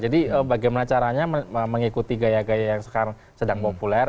jadi bagaimana caranya mengikuti gaya gaya yang sekarang sedang populer